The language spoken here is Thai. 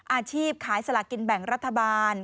อาชีพขายสลากินแบ่งรัฐบาล